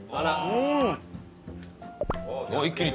うん！